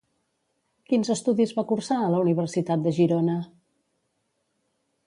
Quins estudis va cursar a la Universitat de Girona?